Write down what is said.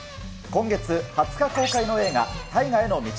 今月２０日公開の映画、大河への道。